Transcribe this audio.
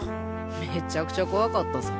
めちゃくちゃ怖かったさ。